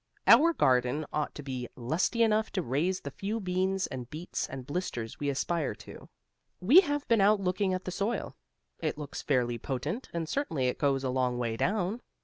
Our garden ought to be lusty enough to raise the few beans and beets and blisters we aspire to. We have been out looking at the soil. It looks fairly potent and certainly it goes a long way down.